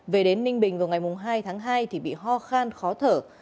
về đến ninh bình vào ngày hai tháng hai thì bị ho khan khó thở